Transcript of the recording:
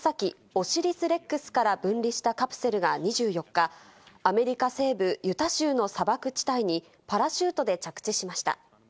「オシリス・レックス」から分離したカプセルが２４日、アメリカ西部ユタ州の砂漠地帯にパラシュートで着地しました。